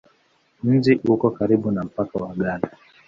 Mji uko karibu na mpaka wa Ghana.